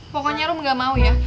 pokoknya rum gak mau ya